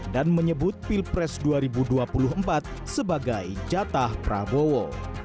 dan menyebut pilpres dua ribu dua puluh empat sebagai jatah pranowo